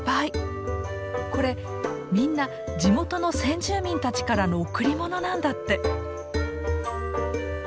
これみんな地元の先住民たちからの贈り物なんだって。